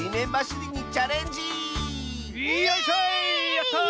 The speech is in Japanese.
やった！